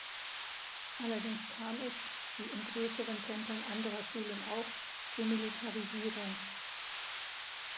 Allerdings kam es, wie in größeren Tempeln anderer Schulen auch, zur Militarisierung.